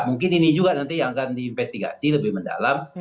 mungkin ini juga nanti yang akan diinvestigasi lebih mendalam